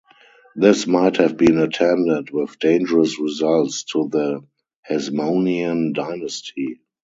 This might have been attended with dangerous results to the Hasmonean dynasty.